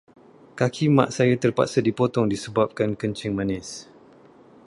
Kaki Mak saya terpaksa dipotong disebabkan kencing manis.